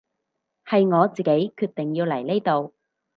係我自己決定要嚟呢度